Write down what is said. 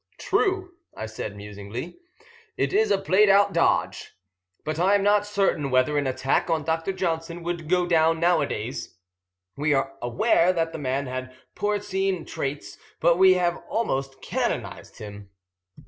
"True," I said musingly. "It is a played out dodge. But I am not certain whether an attack on Dr. Johnson would go down nowadays. We are aware that the man had porcine traits, but we have almost canonised him."